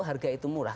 harga itu murah